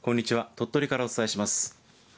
鳥取からお伝えします。